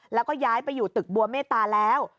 แล้วก็ย้ายไปอยู่ตึกบัวเมตตาแล้ว